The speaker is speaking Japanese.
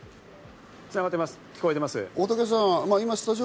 聞こえています。